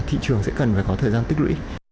thị trường sẽ cần phải có thời gian tích lũy